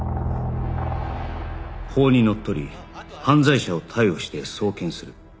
法にのっとり犯罪者を逮捕して送検する